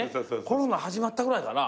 コロナ始まったぐらいかな。